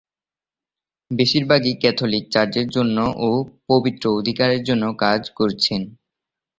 বেশিরভাগই ক্যাথলিক চার্চের জন্য ও পবিত্র অধিকারের জন্য কাজ করছেন।